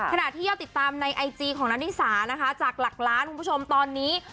ขณะที่ยอดติดตามในไอจีของนานิสานะคะจากหลักล้านคุณผู้ชมตอนนี้